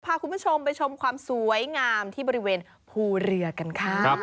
พาคุณผู้ชมไปชมความสวยงามที่บริเวณภูเรือกันค่ะ